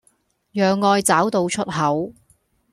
讓愛找到出口